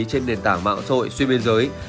trên nền tảng mạng sội xuyên biên giới